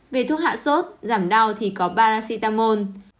về thuốc hạ sốt giảm đau thì có paracetamol